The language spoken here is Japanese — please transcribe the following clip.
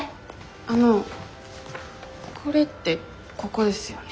あのこれってここですよね？